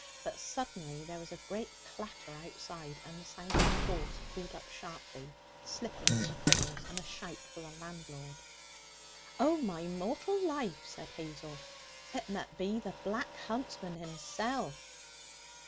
But suddenly there was a great clatter outside, the sound of a horse, pulled up sharply, slipping on the cobbles, and a shout for the landlord. 'Oh, my mortal life!' said Hazel, 'it met be the Black Huntsman himself.'